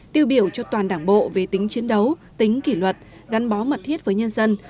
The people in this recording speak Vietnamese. tiêu biểu cho toàn đảng bộ về tính chiến đấu tính kỷ luật gắn bó mật thiết với nhân dân